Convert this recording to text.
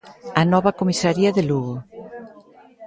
A nova comisaría de Lugo.